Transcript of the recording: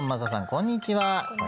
こんにちは。